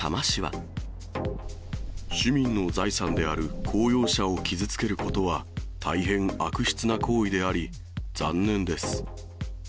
市民の財産である公用車を傷つけることは、大変悪質な行為であり、残念です。